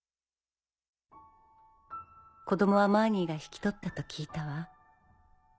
子供はマーニーが引き取ったと聞いたわ。